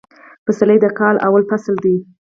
پسرلی د کال لومړی فصل دی